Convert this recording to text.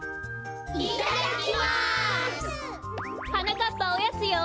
なかっぱおやつよ！